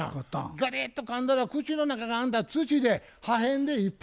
ガリッとかんだら口の中があんた土で破片でいっぱいになってしもうてね。